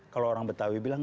kalau orang betawi bilang